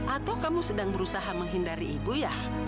atau kamu sedang berusaha menghindari ibu ya